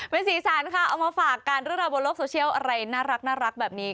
เบนซีฟ้าซานค่ะเอามาฝากการรื่นราบบนโลกแบบนี้